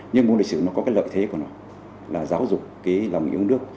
nhưng môn lịch sử nó có cái lợi thế của nó là giáo dục cái lòng yêu nước